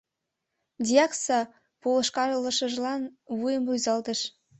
Дьякса полышкалышыжлан вуйжым рӱзалтыш.